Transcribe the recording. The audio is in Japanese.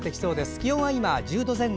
気温は今、１０度前後。